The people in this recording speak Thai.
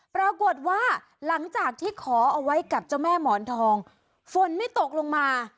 ปรากฏว่าหลังจากที่ขอเอาไว้กับเจ้าแม่หมอนทองฝนไม่ตกลงมา